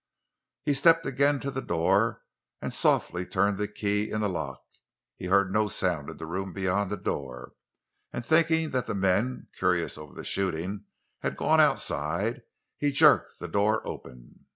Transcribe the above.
He stepped again to the door and softly turned the key in the lock. He heard no sound in the room beyond the door, and, thinking that the men, curious over the shooting, had gone outside, he jerked the door open.